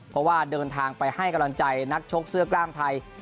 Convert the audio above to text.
เพราะว่าเดินทางไปให้กำลังใจนักชกเสื้อกล้ามไทย